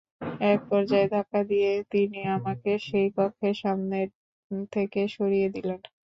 একপর্যায়ে ধাক্কা দিয়ে তিনি আমাকে সেই কক্ষের সামনে থেকে সরিয়েই দিলেন।